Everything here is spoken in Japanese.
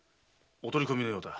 お取り込みのようだ。